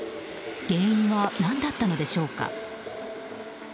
原因は何だったのでしょうか。